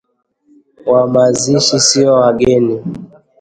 wa mazishi sio mageni